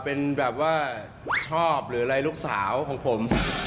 เป็นแบบว่าชอบหรืออะไรลูกสาวของผม